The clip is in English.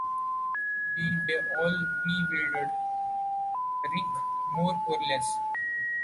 We were all bewildered, Rick, more or less.